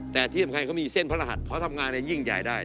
แต่ที่สำคัญเขามีเส้นพระรหัสเพราะทำงานยิ่งใหญ่ได้